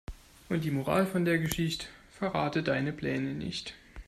Und die Moral von der Geschicht': Verrate deine Pläne nicht.